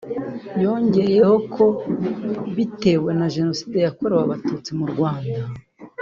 yongeyeho ko bitewe na Jenoside yakorewe Abatutsi mu Rwanda